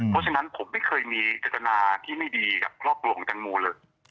เพราะฉะนั้นผมไม่เคยมีจัตนาที่ไม่ดีกับครอบครัวของแตงโมเลย